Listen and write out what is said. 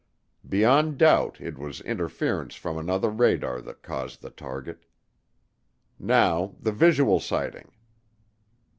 Beyond doubt it was interference from another radar that caused the target. Now, the visual sighting.